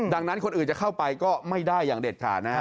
ดังนั้นคนอื่นจะเข้าไปก็ไม่ได้อย่างเด็ดขาดนะฮะ